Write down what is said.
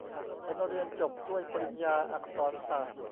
ฉันเรียนจบด้วยปริญญาอักษรศาสตร์